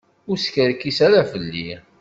Ur skerkis ara fell-i.